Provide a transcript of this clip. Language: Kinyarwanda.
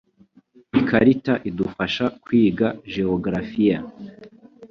Ikarita idufasha kwiga geografiya.